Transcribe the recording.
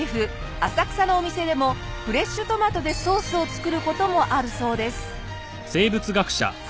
浅草のお店でもフレッシュトマトでソースを作る事もあるそうです。